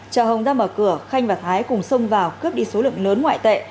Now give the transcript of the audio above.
chờ hồng ra mở cửa khanh và thái cùng xông vào cướp đi số lượng lớn ngoại tệ